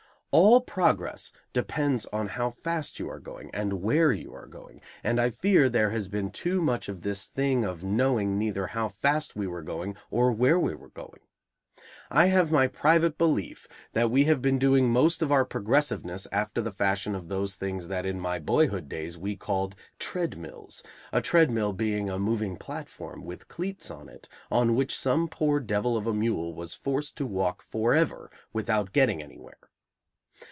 All progress depends on how fast you are going, and where you are going, and I fear there has been too much of this thing of knowing neither how fast we were going or where we were going. I have my private belief that we have been doing most of our progressiveness after the fashion of those things that in my boyhood days we called "treadmills," a treadmill being a moving platform, with cleats on it, on which some poor devil of a mule was forced to walk forever without getting anywhere.